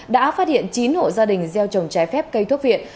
đã phát hiện chín hộ gia đình gieo trồng trái phép cây thuốc viện